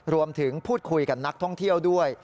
รวมถึงพูดคุยกับนักท่องเที่ยวด้วย